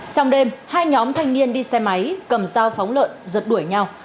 trong đêm hai nhóm thanh niên đi xe máy cầm dao phóng lợn rật đuổi nhau